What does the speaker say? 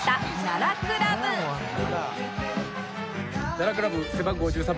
奈良クラブ背番号１３